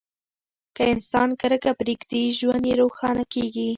که انسان کرکه پریږدي، ژوند یې روښانه کیږي.